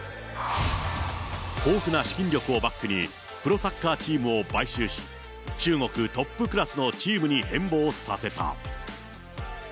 豊富な資金力をバックに、プロサッカーチームを買収し、中国トップクラスのチームに変貌させた。